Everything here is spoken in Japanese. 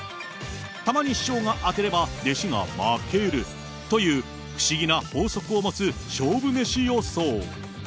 たまに師匠が当てれば、弟子が負けるという、不思議な法則を持つ勝負メシ予想。